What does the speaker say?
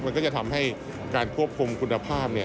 มันก็จะทำให้การควบคุมกุณฑาภาพ